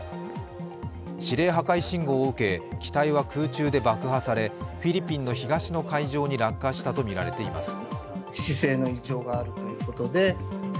指令破壊信号を受け、機体は空中で爆破されフィリピンの東の海上に落下したとみられています。